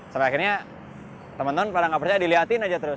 sampai akhirnya teman teman pada nggak percaya dilihatin aja terus